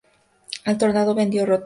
El Tornado vendió Rote Jr.